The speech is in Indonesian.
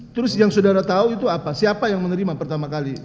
terus yang saudara tahu itu apa siapa yang menerima pertama kali